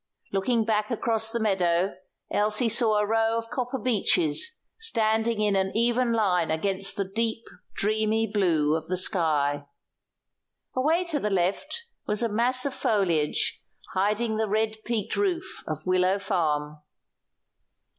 Looking back across the meadow, Elsie saw a row of copper beeches standing in an even line against the deep, dreamy blue of the sky. Away to the left was a mass of foliage hiding the red peaked roof of Willow Farm.